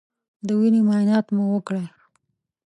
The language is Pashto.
د وینې معاینات مو وکړی